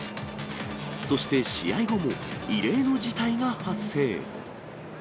そして試合後も異例の事態が発生。